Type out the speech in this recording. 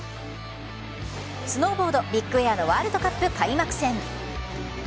スノーボード・ビッグエアのワールドカップ開幕戦。